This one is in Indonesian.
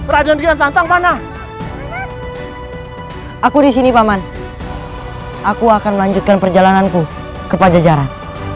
raden yang santang mana aku disini paman aku akan melanjutkan perjalananku kepada jarak